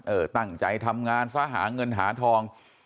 ตั้งใจทำงานซะหาเงินหาทอง